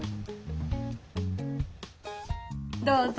どうぞ。